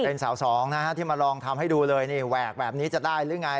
เป็นสาวสองนะฮะที่มาลองทำให้ดูเลยนี่แหวกแบบนี้จะได้หรือไง